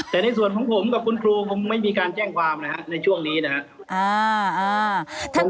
แต่ในส่วนของผมกับคุณครูคงไม่มีการแจ้งความนะครับในช่วงนี้นะครับ